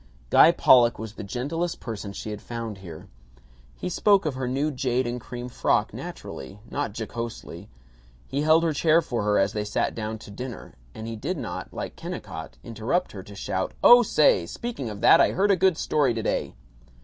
Guy Pollock was the gentlest person she had found here. He spoke of her new jade and cream frock naturally, not jocosely; he held her chair for her as they sat down to dinner; and he did not, like Kennicott, interrupt her to shout, "Oh say, speaking of that, I heard a good story today."